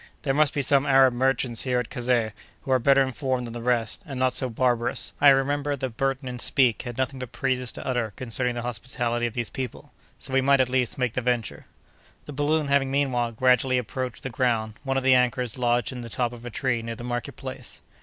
There must be some Arab merchants here at Kazeh, who are better informed than the rest, and not so barbarous. I remember that Burton and Speke had nothing but praises to utter concerning the hospitality of these people; so we might, at least, make the venture." The balloon having, meanwhile, gradually approached the ground, one of the anchors lodged in the top of a tree near the market place.